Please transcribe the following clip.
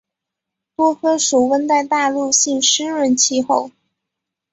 多芬属温带大陆性湿润气候。